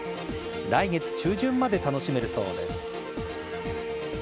来月中旬まで楽しめるそうです。